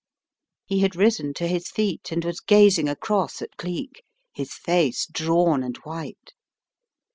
He had risen to his feet and was gazing across at Cleek, his face drawn and white.